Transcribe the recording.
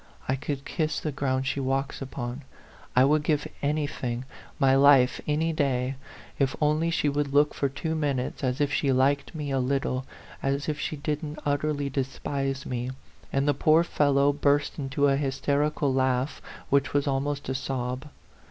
I could kiss the ground she walks upon. I would give anything my life any day if only she would look for two minutes as if she liked me a little as if she didn't utterly despise me ;" and the poor fellow burst into a hysterical laugh, which was almost a sob.